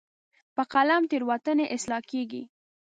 په قلم تیروتنې اصلاح کېږي.